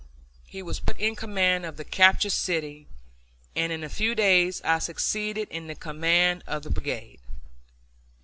He was put in command of the captured city; and in a few days I succeeded to the command of the brigade.